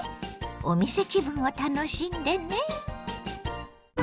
お店気分を楽しんでね。